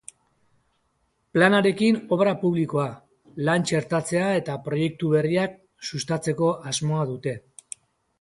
Planarekin obra publikoa, lan txertatzea eta proiektu berriak sustatzeko asmoa dute.